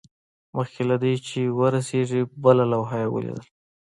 مخکې له دې چې ورسیږي بله لوحه یې ولیدل